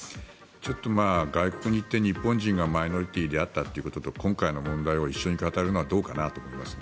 ちょっと外国に行って日本人がマイノリティーであったということと今回の問題を一緒に語るのはどうかなと思いますね。